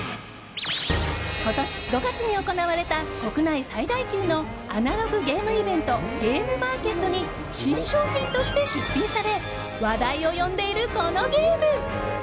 今年５月に行われた国内最大級のアナログゲームイベントゲームマーケットに新商品として出品され話題を呼んでいる、このゲーム。